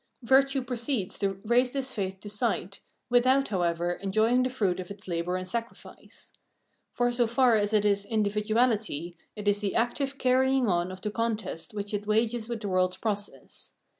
Virtue proceeds to raise this faith to sight, without, however, enjoying the fruit of its labour and sacrifice. For so far as it is individuahty, it is the active carrying on of the contest which it wages with the world's process.